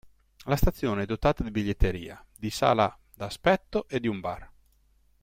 La stazione è dotata di biglietteria, di sala da aspetto e di un bar.